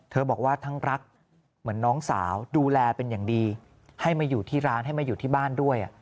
บอกว่าทั้งรักเหมือนน้องสาวดูแลเป็นอย่างดีให้มาอยู่ที่ร้านให้มาอยู่ที่บ้านด้วย